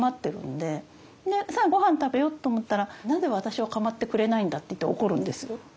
でさあごはん食べようと思ったらなぜ私を構ってくれないんだっていって怒るんですよ。